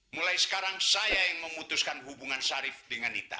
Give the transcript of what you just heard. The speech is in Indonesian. mulai sekarang saya yang memutuskan hubungan syarif dengan nita